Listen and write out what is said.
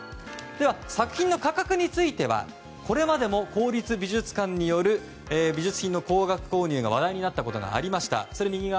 では、作品の価格についてはこれまでも公立美術館による美術品の高額購入が話題になったことがありました。